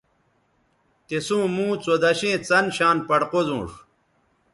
تِسوں موں څودشیئں څن شان پڑ قوزونݜ